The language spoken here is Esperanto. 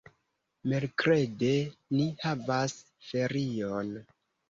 Merkrede ni havas ferion.